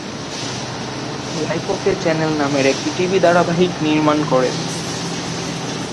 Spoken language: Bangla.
লাইফ ওকে চ্যানেল নামের একটি টিভি ধারাবাহিক নির্মাণ করে।